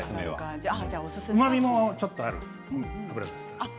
うまみもちょっとあるのでね。